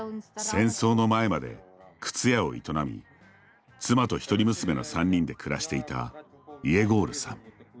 戦争の前まで靴屋を営み妻と一人娘の３人で暮らしていたイェゴールさん。